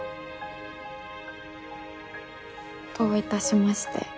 どういたしまして。